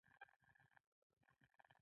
افغانستان د ټولو اقوامو ګډ کور دی